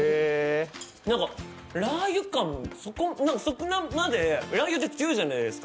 なんかラー油感、そこまでラー油って強いじゃないですか？